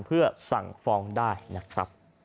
เพื่อสั่งฟ้องได้นะครับ